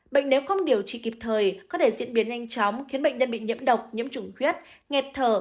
bệnh nếu không điều trị kịp thời có thể diễn biến nhanh chóng khiến bệnh nhân bị nhiễm độc nhiễm trùng huyết nghẹt thở